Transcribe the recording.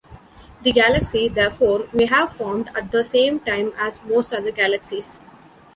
The galaxy, therefore, may have formed at the same time as most other galaxies.